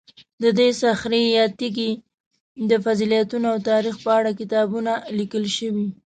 د دې صخرې یا تیږې د فضیلتونو او تاریخ په اړه کتابونه لیکل شوي.